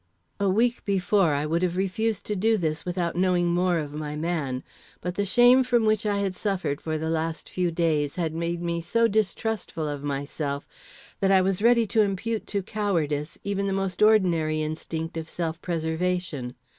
A week before I would have refused to do this without knowing more of my man. But the shame from which I had suffered for the last few days had made me so distrustful of myself that I was ready to impute to cowardice even the most ordinary instinct of self preservation.